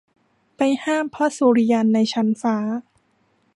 ไปห้ามพระสุริยันในชั้นฟ้า